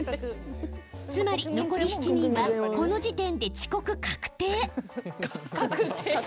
つまり、残り７人はこの時点で遅刻確定！